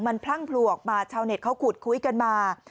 มันพลั่งผลัวออกมาชาวเน็ตเขาขุดคุยกันมา